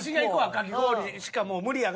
かき氷しかもう無理やから」。